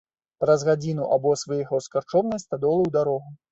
Праз гадзіну абоз выехаў з карчомнай стадолы ў дарогу.